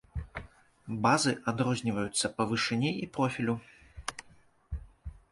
Базы адрозніваюцца па вышыні і профілю.